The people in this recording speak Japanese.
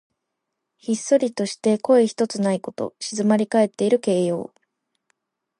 ひっそりとして声ひとつないこと。静まりかえっている形容。